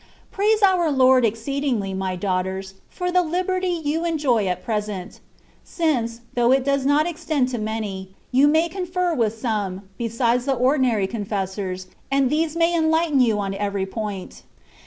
Praise our Lord ex ceedingly, my daughters, for the liberty you enjoy at present ; since, though it does not extend to many, you may confer with some, besides the ordinary confessors, and these may enlighten you on every point.